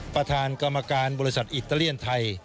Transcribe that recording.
ประธานกรรมการบริษัทอิตาเลียนไทย